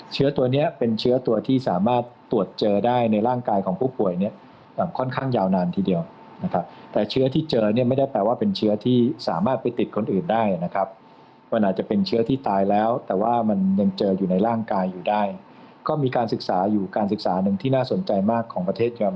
เชื้อตัวนี้เป็นเชื้อตัวที่สามารถตรวจเจอได้ในร่างกายของผู้ป่วยเนี่ยค่อนข้างยาวนานทีเดียวนะครับแต่เชื้อที่เจอเนี่ยไม่ได้แปลว่าเป็นเชื้อที่สามารถไปติดคนอื่นได้นะครับมันอาจจะเป็นเชื้อที่ตายแล้วแต่ว่ามันยังเจออยู่ในร่างกายอยู่ได้ก็มีการศึกษาอยู่การศึกษาหนึ่งที่น่าสนใจมากของประเทศครับ